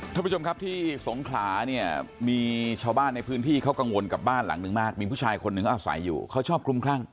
ท่านผู้ชมครับที่สงขลาเนี่ยมีชาวบ้านในพื้นที่เขากังวลกับบ้านหลังนึงมากมีผู้ชายคนหนึ่งอาศัยอยู่เขาชอบคลุมคลั่ง